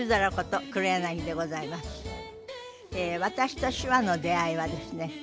私と手話の出会いはですね